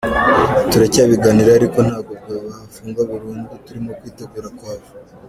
Turacyabiganiraho ariko ntabwo barafunga burundu, turimo kwitegura kuhava.